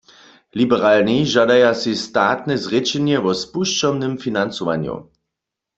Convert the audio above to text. Liberalni žadaja sej statne zrěčenje wo spušćomnym financowanju.